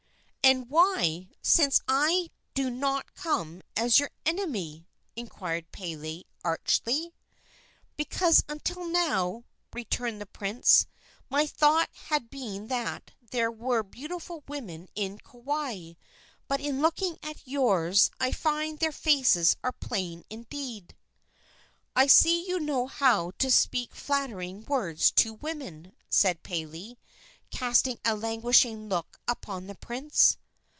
"And why, since I do not come as your enemy?" inquired Pele, archly. "Because, until now," returned the prince, "my thought has been that there were beautiful women in Kauai; but in looking at yours I find their faces are plain indeed." "I see you know how to speak flattering words to women," said Pele, casting a languishing look upon the prince.